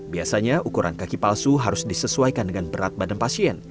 biasanya ukuran kaki palsu harus disesuaikan dengan berat badan pasien